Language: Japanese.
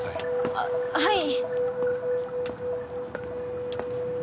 あっはい。